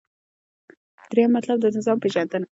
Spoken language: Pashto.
دریم مطلب : د نظام پیژندنه